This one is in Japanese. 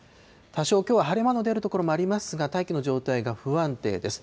多少きょうは晴れ間の出る所もありますが、大気の状態が不安定です。